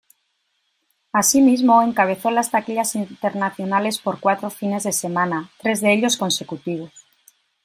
Asimismo, encabezó las taquillas internacionales por cuatro fines de semana, tres de ellos consecutivos.